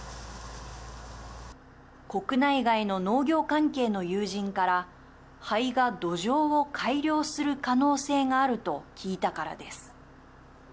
国内外の農業関係の友人から灰が土壌を改良する可能性があると聞いたからです。